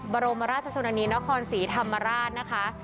บรมราชชนนินคลสีธรรมาราชนะครับ